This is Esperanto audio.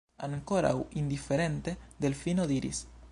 Ankoraŭ indiferente, Delfino diris: